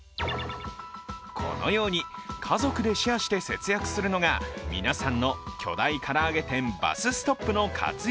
このように家族でシェアして節約するのが皆さんの巨大唐揚げ店ＢＵＳＳＴＯＰの活用